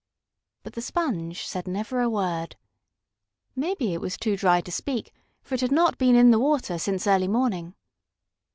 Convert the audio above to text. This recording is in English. But the sponge said never a word. Maybe it was too dry to speak, for it had not been in the water since early morning.